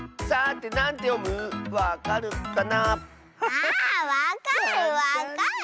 あわかるわかる。